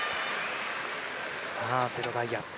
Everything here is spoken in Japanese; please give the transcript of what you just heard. さあ、瀬戸大也。